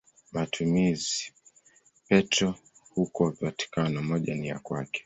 Petro huko Vatikano, moja ni ya kwake.